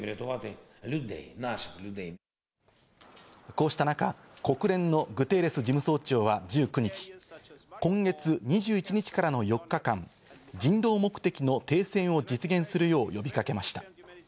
こうした中、国連のグテーレス事務総長は１９日、今月２１日からの４日間、人道目的の停戦を実現するよう呼びかけました。